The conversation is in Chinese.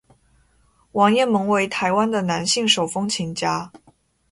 王雁盟为台湾的男性手风琴家。